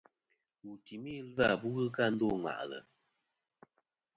Wù n-tùmi ɨlvâ bu ghɨ kɨ a ndô ŋwàʼlɨ̀.